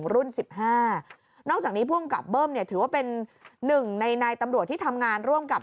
รุ่น๑๕นอกจากนี้ภูมิกับเบิ้มเนี่ยถือว่าเป็นหนึ่งในนายตำรวจที่ทำงานร่วมกับ